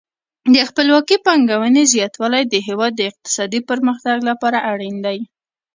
د خپلواکې پانګونې زیاتوالی د هیواد د اقتصادي پرمختګ لپاره اړین دی.